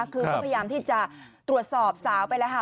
คือก็พยายามที่จะตรวจสอบสาวไปแล้วค่ะ